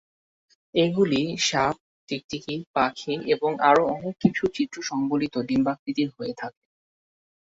এগুলি সাপ, টিকটিকি, পাখি এবং আরও অনেক কিছুর চিত্র সংবলিত ডিম্বাকৃতির হয়ে থাকে।